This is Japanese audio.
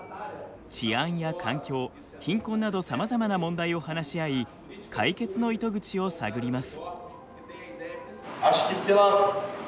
治安や環境貧困などさまざまな問題を話し合い解決の糸口を探ります。